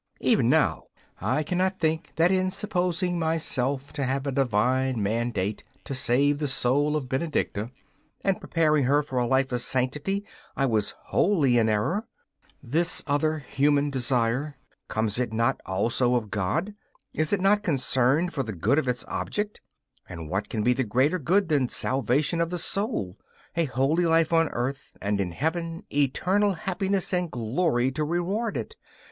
Even now I cannot think that in supposing myself to have a divine mandate to save the soul of Benedicta, and prepare her for a life of sanctity, I was wholly in error. This other human desire comes it not also of God? Is it not concerned for the good of its object? And what can be a greater good than salvation of the soul? a holy life on earth, and in Heaven eternal happiness and glory to reward it.